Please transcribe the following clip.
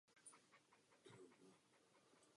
Se současnou sestavou připravují další nahrávku.